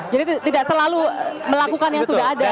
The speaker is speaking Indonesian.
jadi tidak selalu melakukan yang sudah ada gitu